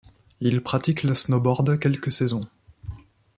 Il pratique le snowboard quelques saisons.